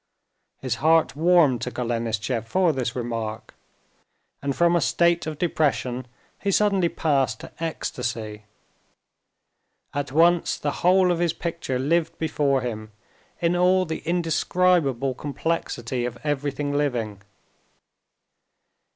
His heart warmed to Golenishtchev for this remark, and from a state of depression he suddenly passed to ecstasy. At once the whole of his picture lived before him in all the indescribable complexity of everything living.